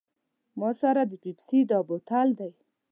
ما سره د پیپسي دا بوتل دی.